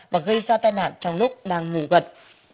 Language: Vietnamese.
và gây ra tai nạn trong lúc đang ngủ gật